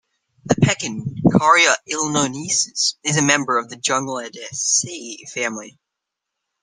The pecan, "Carya illinoinensis", is a member of the Juglandaceae family.